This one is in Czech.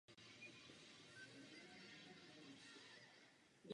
Dlouhou dobu přetrvávaly břišní bolesti.